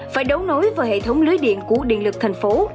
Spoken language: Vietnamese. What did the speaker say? phải đấu nối vào hệ thống lưới điện của điện lực thành phố